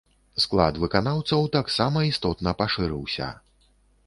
Склад выканаўцаў таксама істотна пашырыўся.